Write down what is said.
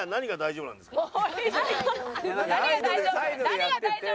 「何が大丈夫？」